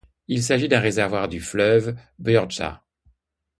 Il s'agit d'un réservoir du fleuve Þjórsá.